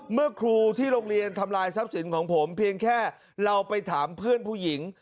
เมื่อครูที่โรงเรียนทำลายทรัพย์สินของผมเพียงแค่เราไปถามเพื่อนผู้หญิง